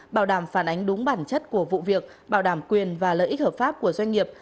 bảo đảm phản ánh đúng bản chất của vụ việc bảo đảm quyền và lợi ích hợp pháp của doanh nghiệp